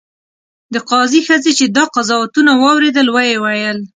د قاضي ښځې چې دا قضاوتونه واورېدل ویې ویل.